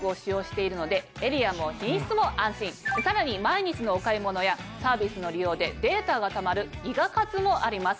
さらに毎日のお買い物やサービスの利用でデータがたまる「ギガ活」もあります。